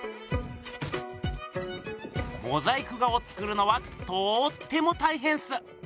モザイク画を作るのはとっても大へんっす。